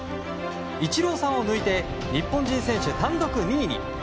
イチローさんを抜いて日本人選手単独２位に。